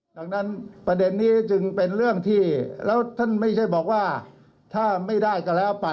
ดังนั้นประเด็นนี้จึงเป็นเรื่องที่แล้วท่านไม่ใช่บอกว่าถ้าไม่ได้ก็แล้วไป